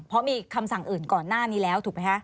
เพราะมีคำสั่งอื่นก่อนหน้านี้แล้วถูกไหมคะ